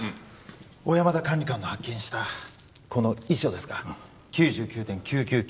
小山田管理官の発見したこの遺書ですが９９．９９９